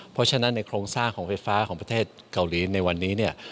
เพราะฉะนั้นในโครงสร้างของไฟฟ้าของประเทศเกาหลีในวันนี้เนี่ย